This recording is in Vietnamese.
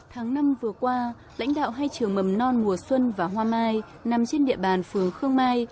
tháng năm vừa qua lãnh đạo hai trường mầm non mùa xuân và hoa mai nằm trên địa bàn phường khương mai